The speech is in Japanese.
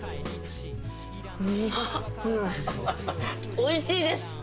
おいしいです！